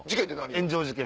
炎上事件。